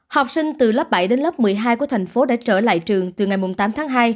học sinh từ lớp bảy đến lớp một mươi hai của thành phố đã trở lại trường từ ngày tám tháng hai